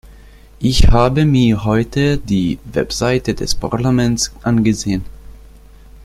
Ich habe mir heute die Web-Seite des Parlaments angesehen.